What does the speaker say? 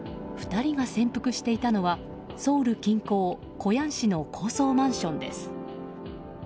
２人が潜伏していたのはソウル近郊コヤン市の高層マンションです。